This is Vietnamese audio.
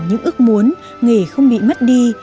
những ước muốn nghề không bị mất đi